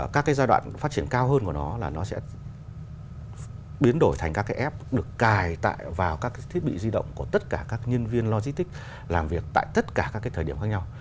các cái giai đoạn phát triển cao hơn của nó là nó sẽ biến đổi thành các cái app được cài vào các cái thiết bị di động của tất cả các nhân viên logistics làm việc tại tất cả các cái thời điểm khác nhau